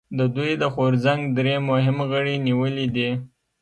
د دوی د غورځنګ درې مهم غړي نیولي دي